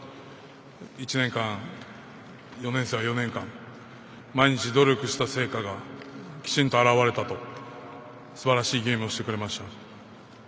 １年間４年生は４年間毎日努力した成果がきちんと表れた、すばらしいゲームをしてくれました。